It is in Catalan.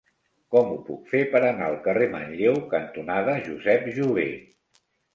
Com ho puc fer per anar al carrer Manlleu cantonada Josep Jover?